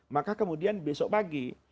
maka kemudian besok pagi